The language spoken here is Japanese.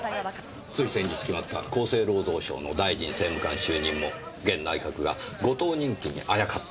つい先日決まった厚生労働省の大臣政務官就任も現内閣が後藤人気にあやかったとまで言われていました。